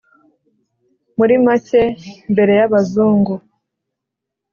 Muri make, mbere y'Abazungu,